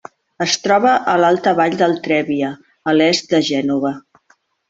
Es troba a l'alta vall del Trebbia, a l'est de Gènova.